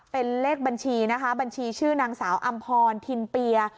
๐๒๐๒๘๘๐๗๙๓๖๙เป็นเลขบัญชีบัญชีชื่อนางสาวอำพรถิ่นเปียร์